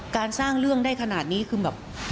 สร้างเรื่องได้ขนาดนี้คือแบบ